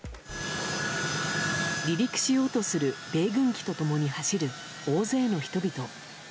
離陸しようとする米軍機とともに走る大勢の人々。